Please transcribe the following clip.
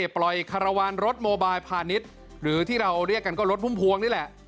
คารวาลรถโมบายพาณิชย์หรือที่เราเรียกกันก็รถพุ่มพวงนี่แหละ